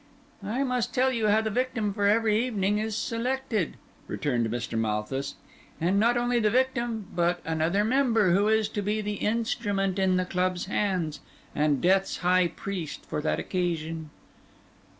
"I must tell you how the victim for every evening is selected," returned Mr. Malthus; "and not only the victim, but another member, who is to be the instrument in the club's hands, and death's high priest for that occasion."